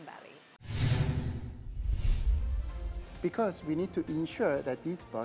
bahwa bus ini akan berjalan dengan